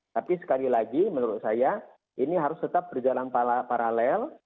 tapi sekali lagi menurut saya ini harus tetap berjalan paralel